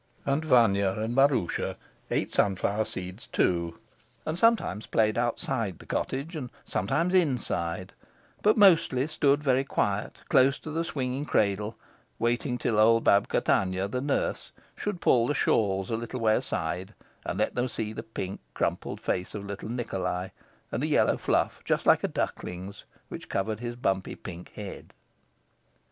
And Vanya and Maroosia ate sunflower seeds too, and sometimes played outside the cottage and sometimes inside; but mostly stood very quiet close to the swinging cradle, waiting till old Babka Tanya, the nurse, should pull the shawls a little way aside and let them see the pink, crumpled face of the little Nikolai, and the yellow fluff, just like a duckling's, which covered his bumpy pink head.